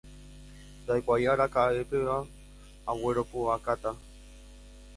ndaikuaái araka'epevépa agueropu'akáta